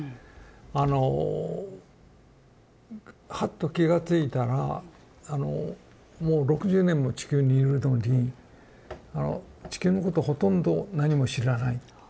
あのハッと気が付いたらあのもう６０年も地球にいるのに地球のことをほとんど何も知らない。